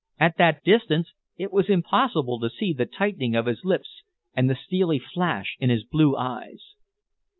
At that distance it was impossible to see the tightening of his lips and the steely flash in his blue eyes.